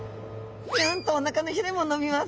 ピョンとおなかのひれも伸びます。